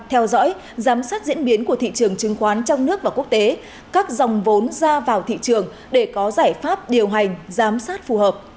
theo dõi giám sát diễn biến của thị trường chứng khoán trong nước và quốc tế các dòng vốn ra vào thị trường để có giải pháp điều hành giám sát phù hợp